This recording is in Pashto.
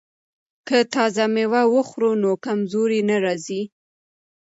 که تازه میوه وخورو نو کمزوري نه راځي.